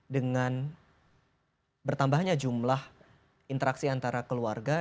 dengan bertambahnya jumlah interaksi antara keluarga